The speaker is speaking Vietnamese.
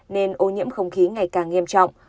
nên ô nhiễm không khí ngày càng nghiêm trọng